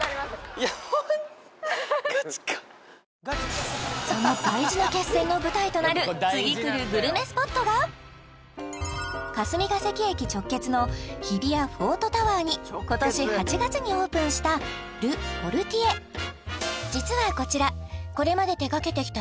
いやホントその大事な決戦の舞台となる次くるグルメスポットが霞ケ関駅直結の日比谷フォートタワーに今年８月にオープンした実はこちらこれまで手がけてきた